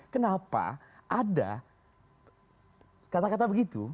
kenapa ada kata kata begitu